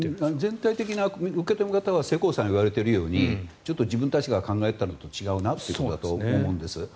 全体的な受け止め方は世耕さんが言われているようにちょっと自分たちが考えていたのと違うなということだと思うんです。